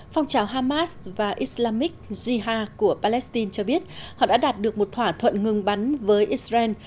phong trào hamas và islamic jihad của palestine cho biết họ đã đạt được một thỏa thuận ngừng bắn với israel